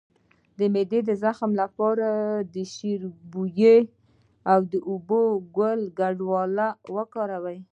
د معدې د زخم لپاره د شیرین بویې او اوبو ګډول وکاروئ